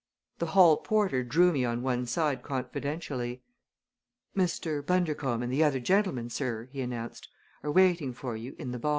The hall porter drew me on one side confidentially. "Mr. Bundercombe and the other gentleman, sir," he announced, "are waiting for you in the bar."